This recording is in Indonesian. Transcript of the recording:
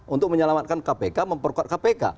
untuk menyelamatkan kpk memperkuat kpk